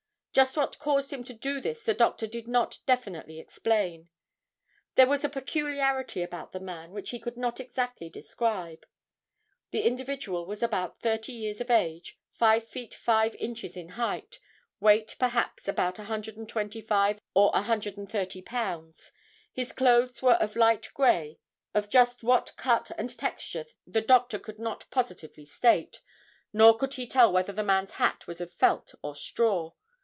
Just what caused him to do this the doctor did not definitely explain. There was a peculiarity about the man which he could not exactly describe. The individual was about 30 years of age, five feet five inches in height, weight perhaps about 125 or 130 pounds. His clothes were of light gray of just what cut and texture the doctor could not positively state; nor could he tell whether the man's hat was of felt or straw.